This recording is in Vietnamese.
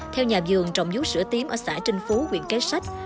theo nhà vườn trồng vú sữa tím ở xã trinh phú quyện kế sách